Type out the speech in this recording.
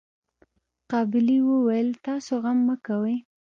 قابلې وويل تاسو غم مه کوئ.